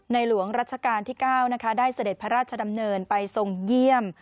หลวงรัชกาลที่๙นะคะได้เสด็จพระราชดำเนินไปทรงเยี่ยม